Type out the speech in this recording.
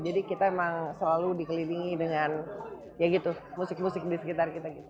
jadi kita emang selalu dikelilingi dengan ya gitu musik musik di sekitar kita gitu